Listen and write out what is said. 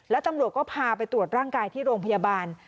แล้วตำรวจก็พาไปตรวจร่างกายที่โรงพยาบาล